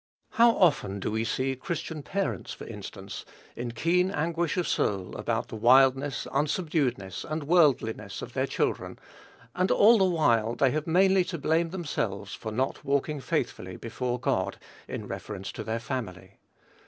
How often do we see Christian parents, for instance, in keen anguish of soul about the wildness, unsubduedness, and worldliness of their children; and, all the while, they have mainly to blame themselves for not walking faithfully before God in reference to their family.